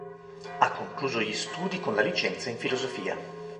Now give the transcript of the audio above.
Ha concluso gli studi con la licenza in filosofia.